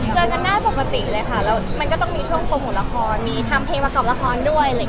เจอกันได้ปกติเลยค่ะและมันก็ต้องมีช่วงปรนของละครมีทางเพลงมากับละครด้วย